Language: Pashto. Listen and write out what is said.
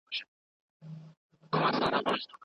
هغه د خپل برخلیک په اړه د اسمان له ستورو سره غږېدله.